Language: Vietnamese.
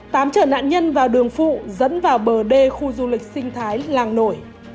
tám trở nạn nhân vào đường phụ dẫn vào bờ đê khu du lịch sinh thái làng nổi